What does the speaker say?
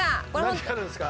何やるんですか？